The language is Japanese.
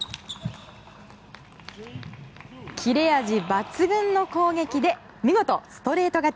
切れ味抜群の攻撃で見事、ストレート勝ち。